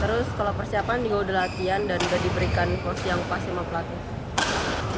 terus kalau persiapan juga udah latihan dan udah diberikan porsi yang pas sama pelatih